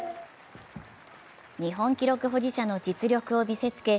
日本記録保持者の実力を見せつけ